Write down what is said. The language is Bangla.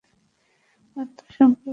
আত্মা সম্পর্কে কী জানো?